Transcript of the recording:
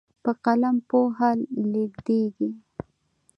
په قلم پوهه لیږدېږي.